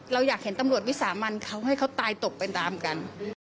เราอยากเห็นตำรวจวิสามันเขาให้เขาตายตกไปตามกัน